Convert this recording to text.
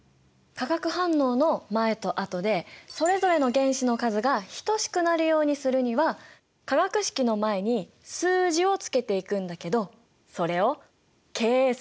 化学反応の前と後でそれぞれの原子の数が等しくなるようにするには化学式の前に数字をつけていくんだけどそれを係数っていうんだ。